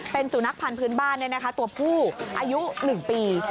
เป็นสุนัขพันธ์พื้นบ้านตัวผู้อายุ๑ปี